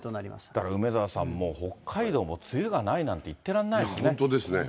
だから梅沢さん、もう北海道も梅雨がないなんて言ってらんないや、本当ですね。